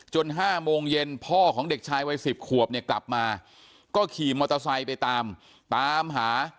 ๕โมงเย็นพ่อของเด็กชายวัย๑๐ขวบเนี่ยกลับมาก็ขี่มอเตอร์ไซค์ไปตามตามหา